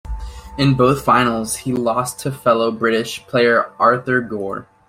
In both finals he lost to fellow British player Arthur Gore.